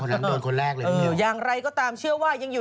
เดี๋ยวนี้เอออยากไล่ก็ตามเชื่อว่ายังอยู่